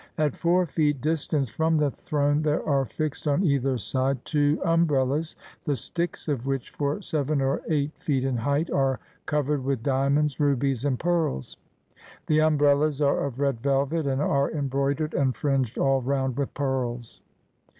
At four feet distance from the throne there are fixed, on either side, two umbrellas, the sticks of which, for seven or eight feet in height, are covered with diamonds, rubies, and pearls. The umbrellas are of red velvet, and are embroidered and fringed all round with pearls.